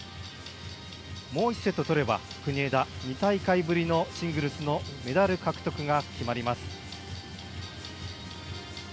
もう１セット取れば国枝、２大会ぶりのシングルスのメダル獲得が決まります。